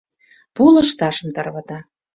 Пу лышташым тарвата.